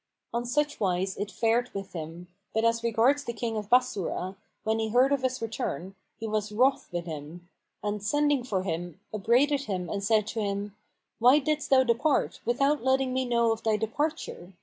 On such wise it fared with him; but as regards the King of Bassorah, when he heard of his return, he was wroth with him; and sending for him, upbraided him and said to him, "Why didst thou depart, without letting me know of thy departure?